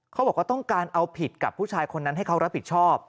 เขาบอกว่าต้องการเอาผิดกับผู้ชายคนนั้นให้เขารับผิดชอบ